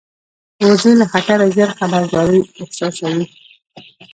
وزې له خطره ژر خبرداری احساسوي